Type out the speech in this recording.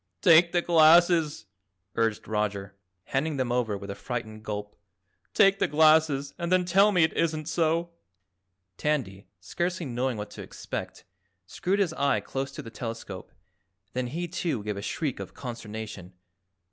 "Take the glasses," urged Roger, handing them over with a frightened gulp. "Take the glasses and then tell me it isn't so." Tandy, scarcely knowing what to expect, screwed his eye close to the telescope, then he, too, gave a shriek of consternation.